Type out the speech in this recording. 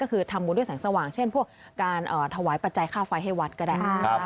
ก็คือทำบุญด้วยแสงสว่างเช่นพวกการถวายปัจจัยค่าไฟให้วัดก็ได้